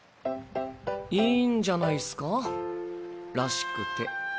いいんじゃないすからしくて。